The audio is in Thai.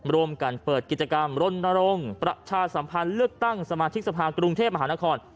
ร่วมกันเปิดกิจกรรมรณรงค์ประชาสัมพันธ์เลือกตั้งสมาชิกสภากรุงเทพมหานคร